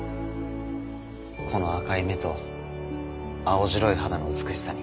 この赤い目と青白い肌の美しさに。